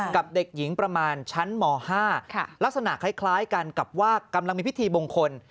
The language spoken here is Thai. กับเด็กหญิงประมาณชั้นม๕ลักษณะคล้ายกันกับว่ากำลังมีพิธีมงคล